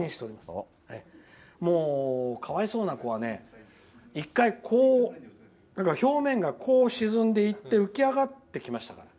もうかわいそうな子は１回、表面が沈んでいって浮き上がってきましたから。